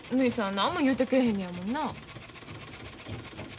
何も言うてけえへんのやもんな。